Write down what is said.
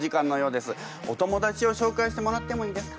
お友達を紹介してもらってもいいですか？